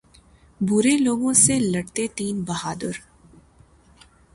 برے لوگوں سے لڑتے تین بہادر